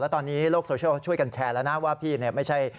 ตอนนี้โลกโซเชียลเขาช่วยกันแชร์แล้วนะว่าพี่เนี่ยไม่ใช่